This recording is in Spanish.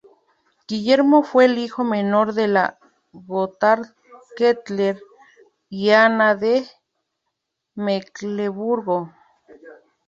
Guillermo fue el hijo menor de Gotthard Kettler y Ana de Mecklemburgo.